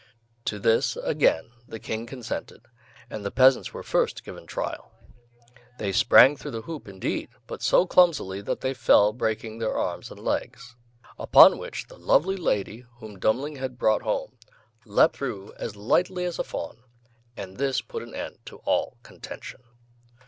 To this, again, the King consented, and the peasants were first given trial. They sprang through the hoop, indeed, but so clumsily that they fell, breaking their arms and legs. Upon which the lovely lady whom Dummling had brought home, leapt through as lightly as a fawn, and this put an end to all contention.